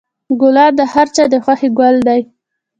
ګلاب د هر چا د خوښې ګل دی.